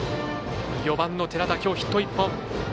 ４番の寺田きょうヒット１本。